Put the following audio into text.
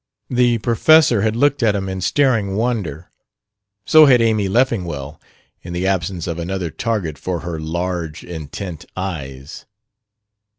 The Professor had looked at him in staring wonder. So had Amy Leffingwell in the absence of another target for her large, intent eyes.